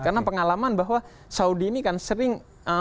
karena pengalaman bahwa saudi ini kan sering